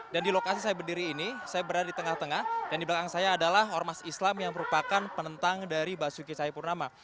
dan di lokasi saya berdiri ini saya berada di tengah tengah dan di belakang saya adalah ormas islam yang merupakan penentang dari basuki cahayapurnama